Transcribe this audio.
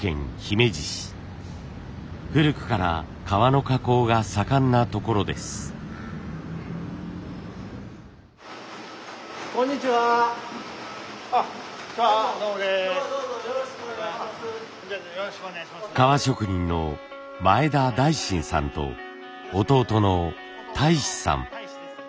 革職人の前田大伸さんと弟の大志さん。